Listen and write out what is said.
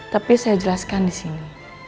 tapi saya jelaskan di sini